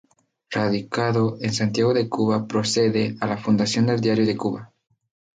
Radicado en Santiago de Cuba, procede a la fundación del Diario de Cuba.